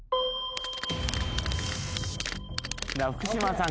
福島さん